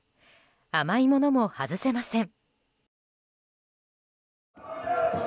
甘いものも外せません。